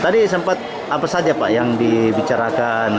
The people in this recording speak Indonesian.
tadi sempat apa saja pak yang dibicarakan